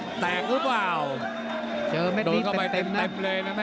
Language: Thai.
อ้าวแตกรู้ปล่าวเจอเม็ดนี้ค่ะ